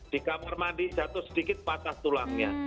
di kamar mandi jatuh sedikit patah tulangnya